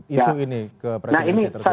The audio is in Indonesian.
isu ini ke presidensi tertentu